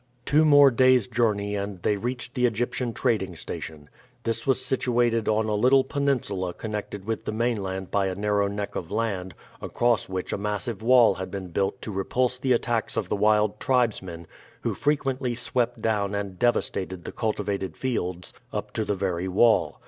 Two more days' journey and they reached the Egyptian trading station. This was situated on a little peninsula connected with the mainland by a narrow neck of land, across which a massive wall had been built to repulse the attacks of the wild tribesmen, who frequently swept down and devastated the cultivated fields up to the very wall.